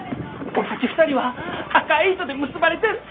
俺たち２人は赤い糸で結ばれてる。